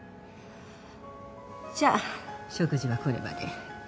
じゃあ食事はこれまで。